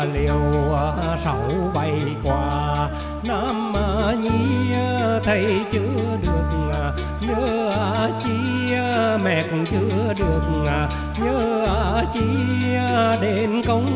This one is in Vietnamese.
lo tròn chữ hiếu